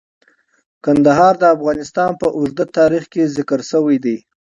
کندهار د افغانستان په اوږده تاریخ کې ذکر شوی دی.